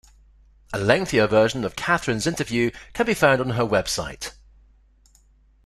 A lengthier version of Kathryn's interview can be found on her website.